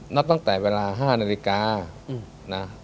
นับตั้งแต่เวลา๕นาฬิกานะ